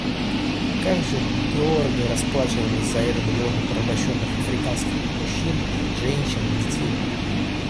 Как же дорого расплачивались за это миллионы порабощенных африканских мужчин, женщин и детей!